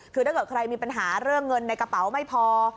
คือถ้าเกิดใครมีปัญหาเรื่องเงินในกระเป๋าไม่พอ